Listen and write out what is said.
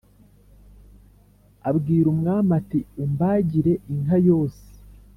abwira umwami ati « umbagire inka yose. »